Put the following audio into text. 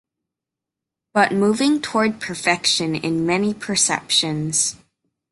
But moving toward perfection in many perceptions.